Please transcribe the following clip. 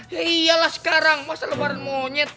ya iyalah sekarang masa lebaran monyet